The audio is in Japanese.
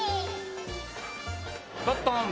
ゴットン。